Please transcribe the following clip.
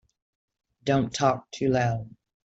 Don't talk too loud.